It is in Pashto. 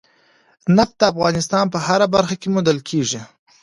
نفت د افغانستان په هره برخه کې موندل کېږي.